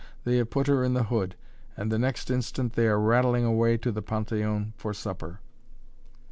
They have put her in the hood, and the next instant they are rattling away to the Panthéon for supper.